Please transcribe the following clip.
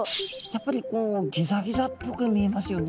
やっぱりこうギザギザっぽく見えますよね。